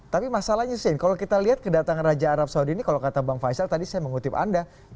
tapi masalahnya shane kalau kita lihat kedatangan raja arab saudi ini kalau kata bang faisal tadi saya mengutip anda